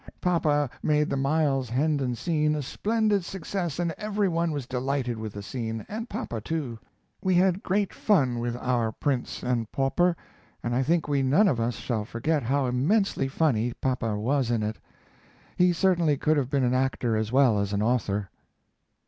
Papa made the Miles Hendon scene a splendid success and every one was delighted with the scene, and papa too. We had great fun with our "Prince and Pauper," and I think we none of us shall forget how immensely funny papa was in it. He certainly could have been an actor as well as an author.